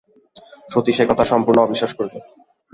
সতীশ এ কথা সম্পূর্ণ অবিশ্বাস করিল।